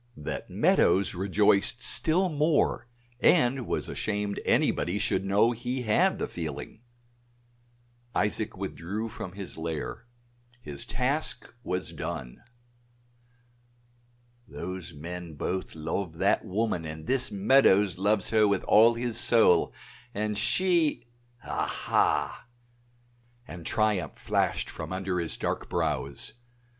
That Meadows rejoiced still more and was ashamed anybody should know he had the feeling. Isaac withdrew from his lair; his task was done. "Those men both love that woman, and this Meadows loves her with all his soul, and she aha!" and triumph flashed from under his dark brows.